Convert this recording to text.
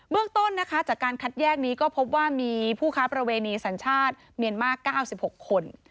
เรื่องต้นนะคะจากการคัดแยกนี้ก็พบว่ามีผู้ค้าประเวณีสัญชาติเมียนมาร์๙๖คน